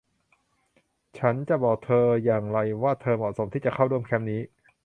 ฉันจะบอกเธออย่างไรว่าเธอเหมาะสมที่จะเข้าร่วมแคมป์นี้ ?